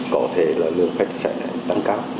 có thể là lượng khách sẽ tăng cao